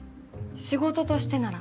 仕事としてなら。